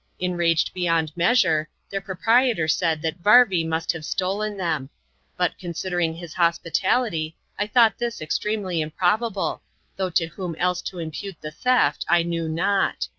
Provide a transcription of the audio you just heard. Enraged beyond measure, their proprietor said that Varvy must have stolen them; but, considering his hospitality, I thought this extremely improbable, though to whom else to impute the theft I knew not.